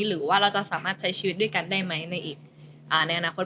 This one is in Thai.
หรือว่าเราจะสามารถใช้ชีวิตด้วยกันได้ไหมในอนาคต